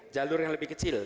jalur yang lebih kecil